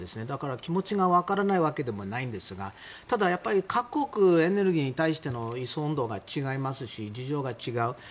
だから気持ちがわからないわけでもないんですがただ各国エネルギーに対しての依存度が違いますし事情が違う。